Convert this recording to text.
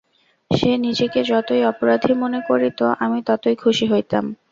সে নিজেকে যতই অপরাধী মনে করিত আমি ততই খুশি হইতাম।